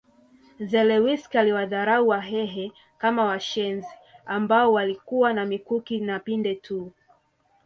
Zelewski aliwadharau Wahehe kama washenzi ambao walikuwa na mikuki na pinde tu